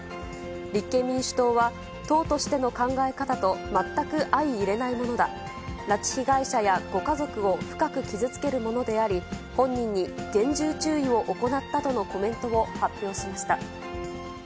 立憲民主党は、党としての考え方と全く相いれないものだ、拉致被害者やご家族を深く傷つけるものであり、本人に厳重注意を行ったとのコメントを発表しました。